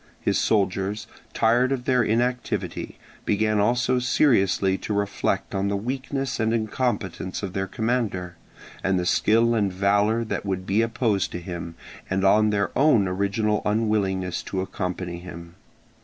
His soldiers, tired of their inactivity, began also seriously to reflect on the weakness and incompetence of their commander, and the skill and valour that would be opposed to him, and on their own original unwillingness to accompany him.